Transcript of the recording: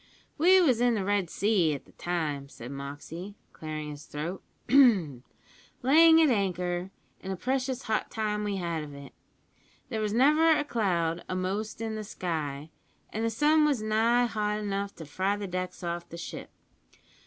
"We was in the Red Sea at the time," said Moxey, clearing his throat, "layin' at anchor, and a precious hot time we had of it. There was never a cloud a'most in the sky, and the sun was nigh hot enough to fry the decks off the ship.